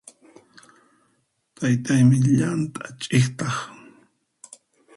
Taytaymi llant'a ch'iqtaq.